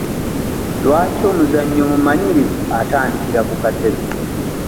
Lwaki omuzannyi omumanyirivu atandikira ku katebe?